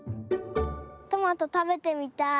トマトたべてみたい。